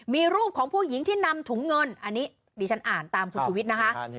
มีรูปของผู้หญิงที่นำถุงเงินอันนี้ดิฉันอ่านตามคุณชุวิตนะคะ